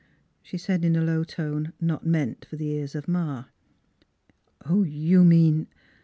she said in a low tone, not meant for the ears of Ma. "You mean